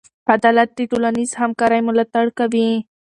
عدالت د ټولنیز همکارۍ ملاتړ کوي.